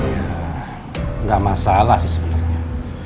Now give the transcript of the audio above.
iya gak masalah sih sebenarnya